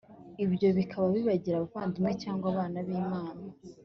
ibyo bikaba bibagira abavandimwe, cyangwa abana b' imana